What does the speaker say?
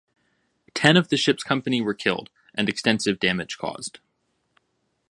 Ten of the ship's company were killed and extensive damage caused.